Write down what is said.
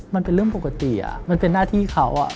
มันเป็นเรื่องปกติมันเป็นหน้าที่เขา